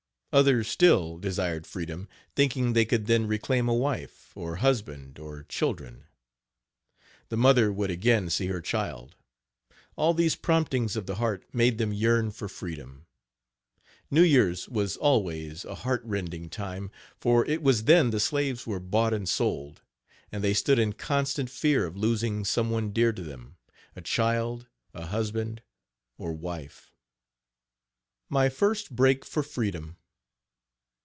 Others still desired freedom, thinking they could then reclaim a wife, or husband, or children. The mother would again see her child. All these promptings of the heart made them yearn for freedom. New Year's was always a Page 80 heart rending time, for it was then the slaves were bought and sold; and they stood in constant fear of losing some one dear to them a child, a husband, or wife. MY FIRST BREAK FOR FREEDOM.